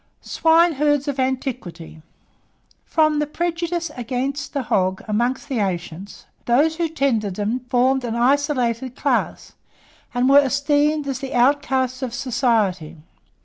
SWINEHERDS OF ANTIQUITY. From the prejudice against the hog among the ancients, those who tended them formed an isolated class, and were esteemed as the outcasts of society.